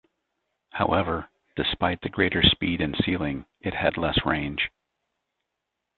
However, despite the greater speed and ceiling, it had less range.